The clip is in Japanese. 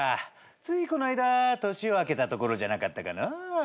ついこないだ年を明けたところじゃなかったかのう。